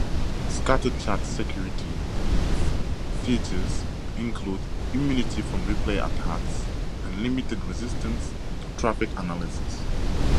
Scatterchat's security features include immunity from replay attacks and limited resistance to traffic analysis.